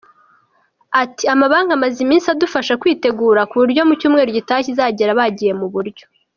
Ati “Amabanki amaze iminsi adufasha kwitegura ku buryo icyumweru gitaha kizagera byagiye mu buryo.